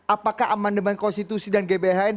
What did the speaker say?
apakah amandemen konstitusi dan gbhn